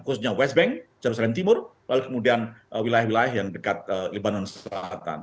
khususnya west bank jarusalem timur lalu kemudian wilayah wilayah yang dekat lebanon selatan